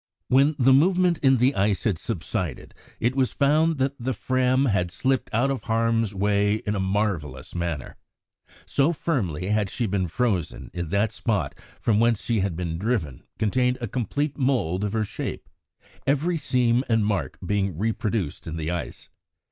When the movement in the ice had subsided, it was found that the Fram had slipped out of harm's way in a marvellous manner. So firmly had she been frozen in that the spot from whence she had been driven contained a complete mould of her shape, every seam and mark being reproduced in the ice.